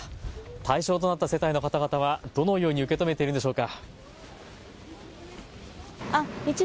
対象となった世帯の方々はどのように受け止めているんでしょうか。